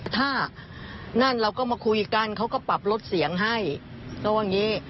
ถ้านั่นเราก็มาคุยกันเขาก็ปรับลดเสียงให้ตรงนี้